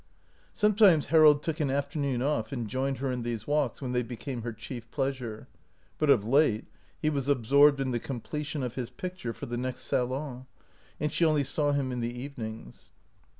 Sometimes Harold took an afternoon off and joined her in these walks, when they became her chief pleasure ; but of late he was absorbed in the comple tion of his picture for the next salon, and she only saw him in the evenings.